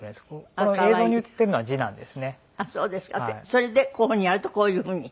それでこういうふうにやるとこういうふうに。